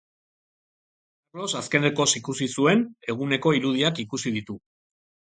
Karlos azkenekoz ikusi zuen eguneko irudiak ikusi ditu.